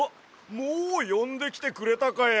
もうよんできてくれたかや！